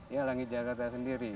ya langit jakarta sendiri